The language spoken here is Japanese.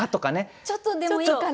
ちょっとでもいいから。